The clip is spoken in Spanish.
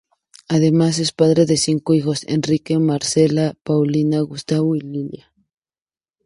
Además, es padre de cinco hijos: Enrique, Marcela, Paulina, Gustavo y Lilia.